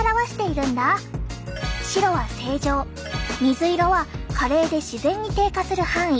白は正常水色は加齢で自然に低下する範囲。